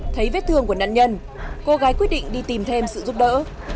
thấy vết thương của nạn nhân cô gái quyết định đi tìm thêm sự giúp đỡ